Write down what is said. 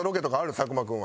佐久間君は。